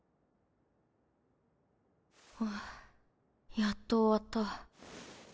フゥやっと終わった。